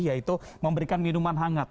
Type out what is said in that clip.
yaitu memberikan minuman hangat